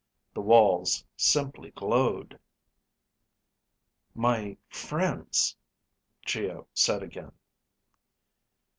The walls simply glowed. "My friends...." Geo said again.